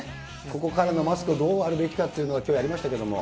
ここからのマスク、どうあるべきかというのをきょうやりましたけれども。